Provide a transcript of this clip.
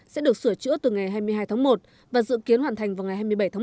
sẽ được sửa chữa từ ngày hai mươi hai tháng một và dự kiến hoàn thành vào ngày hai mươi bảy tháng một